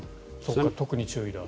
特に注意だ。